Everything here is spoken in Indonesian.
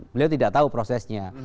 beliau tidak tahu prosesnya